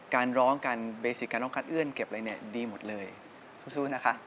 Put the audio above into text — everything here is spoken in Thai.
การร้องการเบสิกการร้องคัดเอื้อนเก็บอะไรเนี่ยดีหมดเลยสู้นะคะ